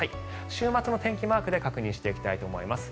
週末の天気マークで確認していきたいと思います。